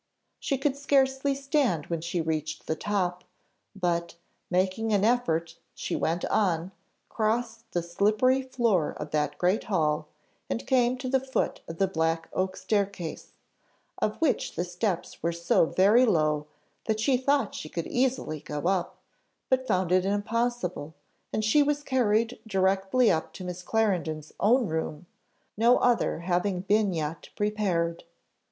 She could scarcely stand when she reached the top, but, making an effort, she went on, crossed the slippery floor of that great hall, and came to the foot of the black oak staircase, of which the steps were so very low that she thought she could easily go up, but found it impossible, and she was carried directly up to Miss Clarendon's own room, no other having been yet prepared.